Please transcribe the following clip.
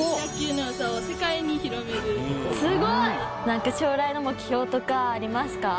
すごい！何か将来の目標とかありますか？